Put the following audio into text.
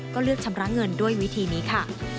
ก็เลือกชำระเงินด้วยวิธีนี้ค่ะ